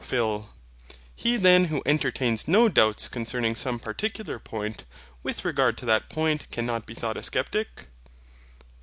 PHIL. He then who entertains no doubts concerning some particular point, with regard to that point cannot be thought a sceptic.